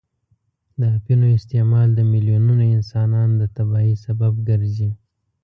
د اپینو استعمال د میلیونونو انسانان د تباهۍ سبب ګرځي.